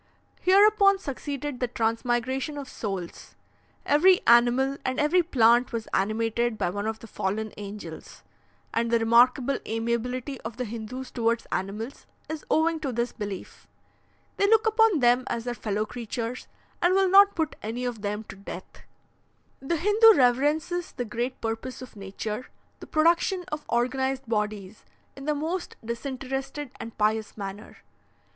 Hereupon succeeded the transmigration of souls; every animal and every plant was animated by one of the fallen angels, and the remarkable amiability of the Hindoos towards animals is owing to this belief. They look upon them as their fellow creatures, and will not put any of them to death. "The Hindoo reverences the great purpose of nature, the production of organized bodies, in the most disinterested and pious manner.